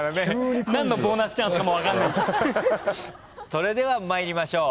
それでは参りましょう。